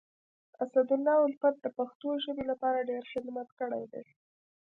اسدالله الفت د پښتو ژبي لپاره ډير خدمت کړی دی.